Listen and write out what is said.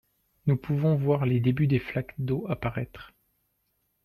Nous pouvons voir les débuts des flaques d'eaux apparaître